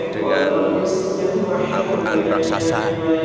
dengan al quran raksasa